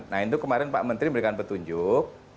nah itu kemarin pak menteri memberikan petunjuk